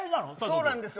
そうなんですよ。